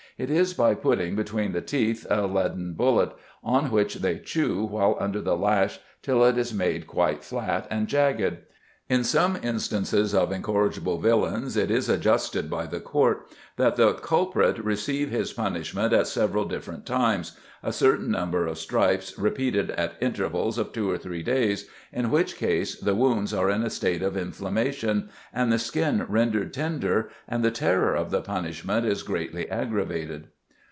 It is by putting between the teeth a leaden bullet, on which they chew while under the lash till it is made quite flat and jagged. In some instances of incorrigibles villians it is adjudged by the court that the culprit receive his punishment at several different times, a certain number of stripes repeated at intervals of two or three days in which case the wounds are in a state of inflammation, and the skin rendered tender and the terror of the punishment is greatly aggravated.